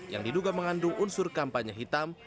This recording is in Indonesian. yang diduga mengandung unsur kampanye hitam